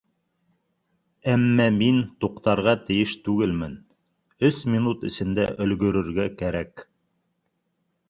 Әммә мин туҡтарға тейеш түгелмен, өс минут эсендә өлгөрөргә кәрәк.